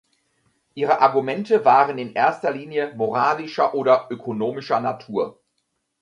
Ihre Argumente waren in erster Linie moralischer oder ökonomischer Natur.